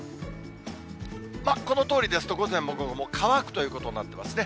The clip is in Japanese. このとおりですと、午前も午後も乾くということになってますね。